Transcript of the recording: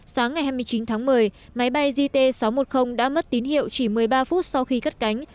sáng ngày hai mươi chín tháng một mươi máy bay gt sáu trăm một mươi đã mất tín hiệu chỉ một mươi ba phút sau khi cất cánh